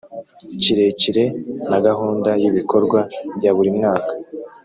kirekire na gahunda y ibikorwa ya buri mwaka